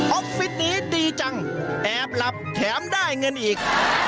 อฟฟิศนี้ดีจังแอบหลับแถมได้เงินอีก